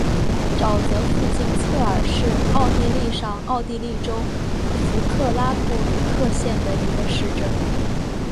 沼泽附近策尔是奥地利上奥地利州弗克拉布鲁克县的一个市镇。